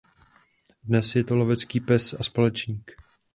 Dnes je to lovecký pes a společník.